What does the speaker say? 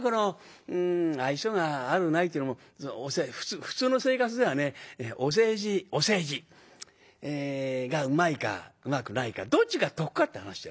愛想があるないっていうのも普通の生活ではねお世辞お世辞がうまいかうまくないかどっちが得かって話でね。